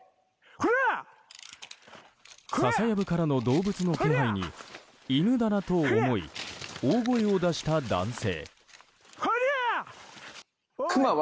笹やぶからの動物の気配に犬だなと思い大声を出した男性。